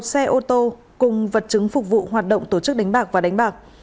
một xe ô tô cùng vật chứng phục vụ hoạt động tổ chức đánh bạc và đánh bạc